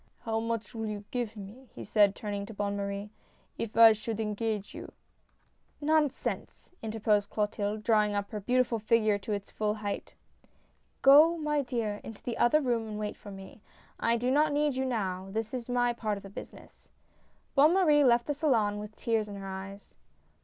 " How much will you give me," he said, turning to Bonne Marie, " if I should engage you ?"" Nonsense !" interposed Clotilde, drawing up her beautiful figure to its full height. " Go, my dear, into the other room and wait for me. I do not need you now, this is my part of the business." Bonne Marie left the salon with tears in her eyes.